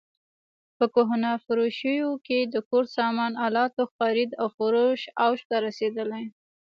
په کهنه فروشیو کې د کور سامان الاتو خرید او فروش اوج ته رسېدلی.